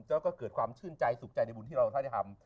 แล้วก็เกิดความชื่นใจสุขใจในบุญที่เราได้ทำ